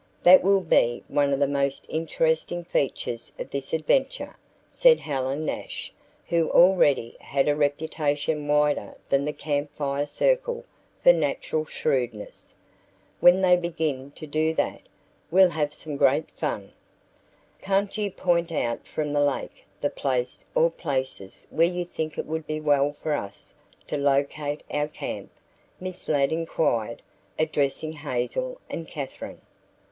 "That will be one of the most interesting features of this adventure," said Helen Nash, who already had a reputation wider than the Camp Fire circle for natural shrewdness. "When they begin to do that, we'll have some great fun." "Can't you point out from the lake the place or places where you think it would be well for us to locate our camp?" Miss Ladd inquired, addressing Hazel and Katherine.